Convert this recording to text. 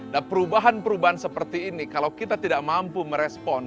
dan perubahan perubahan seperti ini kalau kita tidak mampu merespon